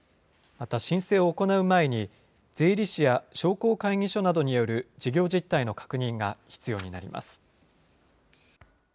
また申請を行う前に、税理士や商工会議所などによる事業実態の確認が必要になります。